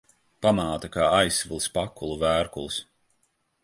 Pamāte kā aizsvilis pakulu vērkulis.